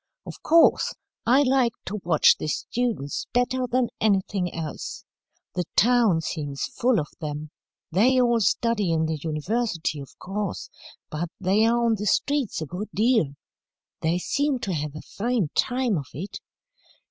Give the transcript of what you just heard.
"Of course, I liked to watch the students better than anything else. The town seems full of them. They all study in the university, of course, but they are on the streets a good deal. They seem to have a fine time of it.